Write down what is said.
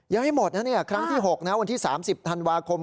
ย้ายหมดนะเนี้ยครั้งที่หกนะวันที่สามสิบธันวาคม